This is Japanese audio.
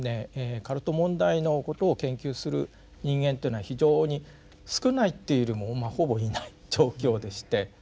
カルト問題のことを研究する人間っていうのは非常に少ないっていうよりもまあほぼいない状況でして。